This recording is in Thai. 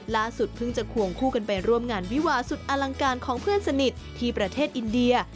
เพิ่งจะควงคู่กันไปร่วมงานวิวาสุดอลังการของเพื่อนสนิทที่ประเทศอินเดีย